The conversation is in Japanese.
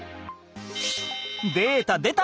データでた！